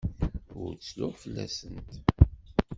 Ur ttruɣ fell-asent.